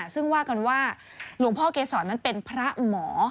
ซึ่งว่ากันว่าหลวงพ่อเกษรนั้นเป็นพระหมอ